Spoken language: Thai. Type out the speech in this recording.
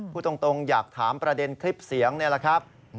พูดตรงอยากถามประเด็นคลิปเสียงนี่แหละครับ